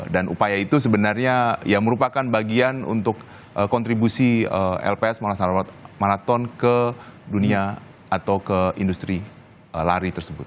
dan upaya itu sebenarnya ya merupakan bagian untuk kontribusi lps monas salah marathon ke dunia atau ke industri lari tersebut